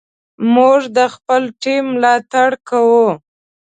موږ د خپل ټیم ملاتړ کوو.